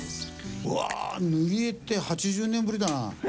うわ塗り絵って８０年ぶりだな。